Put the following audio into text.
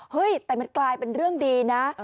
เฮ้ยแต่มันกลายเป็นเรื่องดีนะ